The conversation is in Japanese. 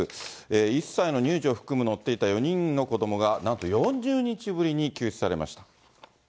１歳の乳児を含む、乗っていた４人の子どもが、なんと４０日ぶりに救出されました。